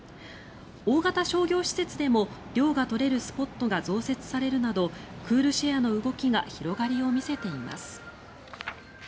大型商業施設でも涼が取れるスポットが増設されるなどクールシェアの動きが広がりを見せています。